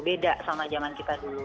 beda sama zaman kita dulu